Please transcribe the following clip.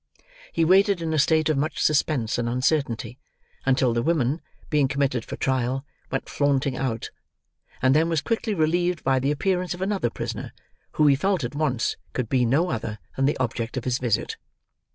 He waited in a state of much suspense and uncertainty until the women, being committed for trial, went flaunting out; and then was quickly relieved by the appearance of another prisoner who he felt at once could be no other than the object of his visit.